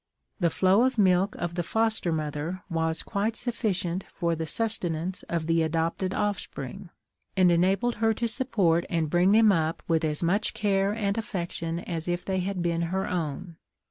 The flow of milk of the foster mother was quite sufficient for the sustenance of the adopted offspring, and enabled her to support and bring them up with as much care and affection as if they had been her own.